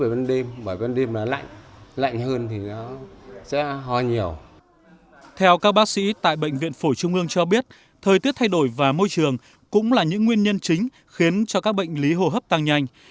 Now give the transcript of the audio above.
bệnh viện phổi trung ương cho biết thời tiết thay đổi và môi trường cũng là những nguyên nhân chính khiến cho các bệnh lý hô hốc tăng nhanh